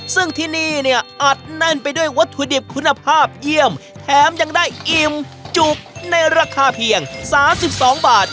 ซึ่งที่นี่เนี่ยอัดแน่นไปด้วยวัตถุดิบคุณภาพเยี่ยมแถมยังได้อิ่มจุกในราคาเพียง๓๒บาท